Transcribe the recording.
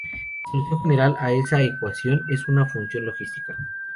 La solución general a esta ecuación es una función logística.